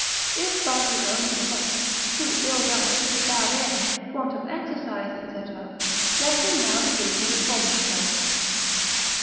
If by his own default, through ill diet, bad air, want of exercise, &c., let him now begin to reform himself.